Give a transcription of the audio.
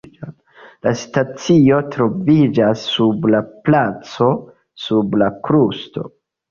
La stacio troviĝas sub la placo sub la krusto.